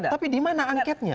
tapi di mana angketnya